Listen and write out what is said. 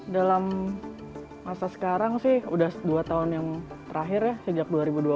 dalam masa sekarang sih udah dua tahun yang terakhir ya sejak dua ribu dua puluh